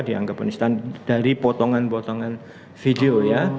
dianggap penistan dari potongan potongan video ya